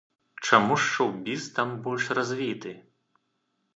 Чаму ж шоў-біз там больш развіты?